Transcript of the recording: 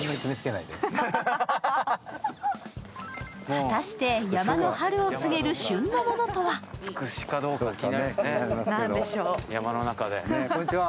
果たして山の春を告げる旬のものとはこんにちは